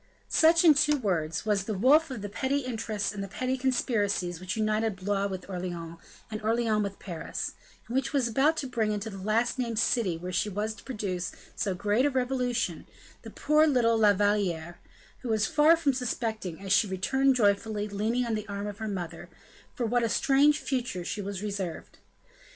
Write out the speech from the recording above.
Such, in two words, was the woof of petty interests and petty conspiracies which united Blois with Orleans, and Orleans with Pairs; and which was about to bring into the last named city where she was to produce so great a revolution, the poor little La Valliere, who was far from suspecting, as she returned joyfully, leaning on the arm of her mother, for what a strange future she was reserved.